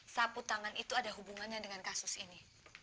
sapu tangan itu ada hubungannya dengan kasus ini